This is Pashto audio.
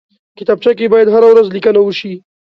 کتابچه کې باید هره ورځ لیکنه وشي